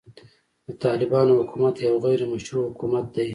د طالبانو حکومت يو غيري مشروع حکومت دی.